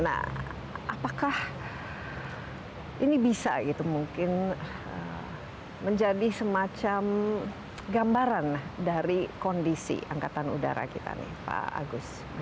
nah apakah ini bisa gitu mungkin menjadi semacam gambaran dari kondisi angkatan udara kita nih pak agus